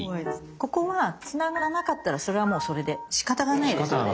ここはつながらなかったらそれはもうそれでしかたがないですよね。